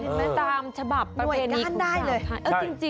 มันตามฉบับประเพณีหน่วยการได้เลย